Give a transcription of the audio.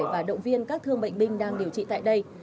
và động viên các thương bệnh binh đang điều trị tại đây